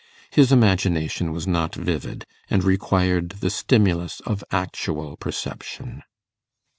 His imagination was not vivid, and required the stimulus of actual perception.